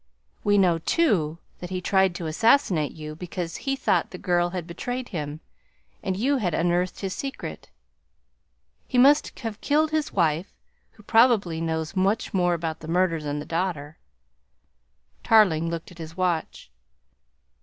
We know, too, that he tried to assassinate you because he thought the girl had betrayed him and you had unearthed his secret. He must have killed his wife, who probably knows much more about the murder than the daughter." Tarling looked at his watch.